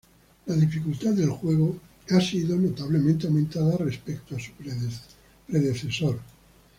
La dificultad del juego ha sido notablemente aumentada respecto a su predecesor.